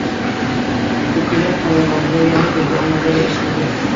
Kukilar xonadonida yana kulgu ovozlari eshitildi